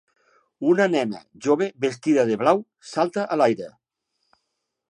Una nena jove vestida de blau salta a l'aire.